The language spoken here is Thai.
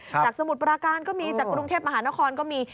สมุทรปราการก็มีจากกรุงเทพมหานครก็มี